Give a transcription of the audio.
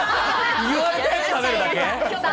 言われたら食べるだけ？